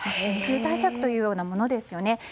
緊急対策というようなものですよね。